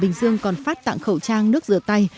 bình dương còn phát tặng khẩu trang nước rửa tay